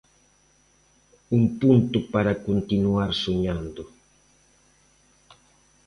Un punto para continuar soñando.